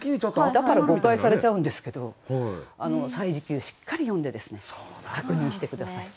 だから誤解されちゃうんですけど「歳時記」をしっかり読んで確認して下さい。